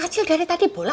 acil dari tadi bolak bolak